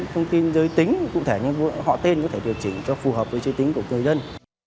thông tin giới tính cụ thể như họ tên có thể điều chỉnh cho phù hợp với giới tính của người dân